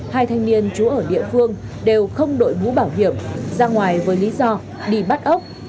hai thanh niên trú ở địa phương đều không đội mũ bảo hiểm ra ngoài với lý do đi bắt ốc